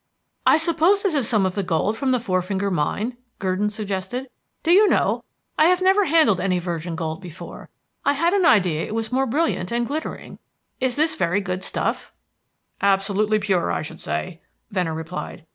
"I suppose this is some of the gold from the Four Finger Mine?" Gurdon suggested. "Do you know, I have never handled any virgin gold before. I had an idea that it was more brilliant and glittering. Is this very good stuff?" "Absolutely pure, I should say," Venner replied.